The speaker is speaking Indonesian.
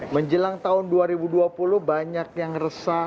menjelang tahun dua ribu dua puluh banyak yang resah